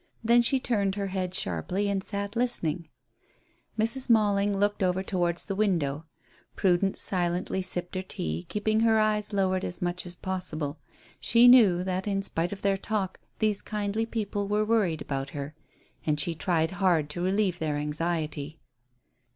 Then she turned her head sharply and sat listening. Mrs. Malling looked over towards the window. Prudence silently sipped her tea, keeping her eyes lowered as much as possible. She knew that, in spite of their talk, these kindly people were worried about her, and she tried hard to relieve their anxiety.